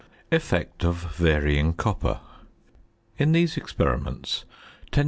~Effect of Varying Copper.~ In these experiments 10 c.